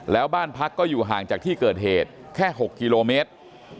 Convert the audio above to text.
แล้วบ้านพักก็อยู่ห่างจากที่เกิดเหตุแค่๖กิโลเมตร